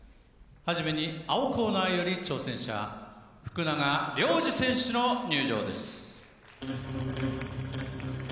初めに青コーナーより挑戦者、福永亮次選手の入場です。